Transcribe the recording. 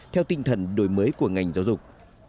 theo tinh thần đổi mới của ngành giáo dục